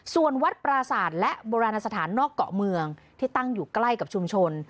ส่วนวัดปราศาสตร์และโบราณสถานนอกเกาะเมืองที่ตั้งอยู่ใกล้กับชุมชน